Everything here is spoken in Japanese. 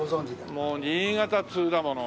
もう新潟通だもの。